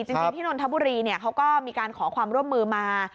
จริงที่นนทบุรีเขาก็มีการขอความร่วมมือมา